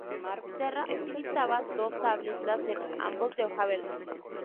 Serra utilizaba dos sables láser, ambos de hoja verde.